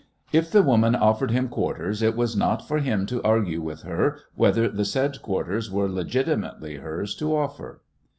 If the woman offered him quarters it was not for him to argue with her whether the said quarters were legitimately hers to offer.